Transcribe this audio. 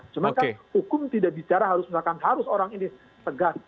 cuma kan hukum tidak bicara harus misalkan harus orang ini tegas